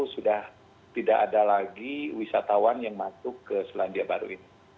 sudah tidak ada lagi wisatawan yang masuk ke selandia baru ini